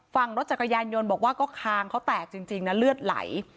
ฝั่งรถจักรยานยนต์บอกว่าก็คางเขาแตกจริงนะเลือดไหล